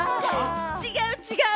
違う違う。